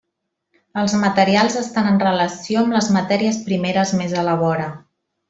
Els materials estan en relació amb les matèries primeres més a la vora.